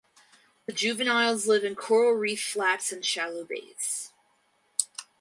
The juveniles live in coral reef flats and shallow bays.